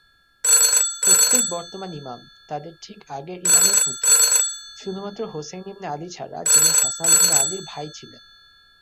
প্রত্যেক বর্তমান ইমাম তাদের ঠিক আগের ইমামের পুত্র শুধুমাত্র হোসাইন ইবনে আলী ছাড়া যিনি হাসান ইবনে আলীর ভাই ছিলেন।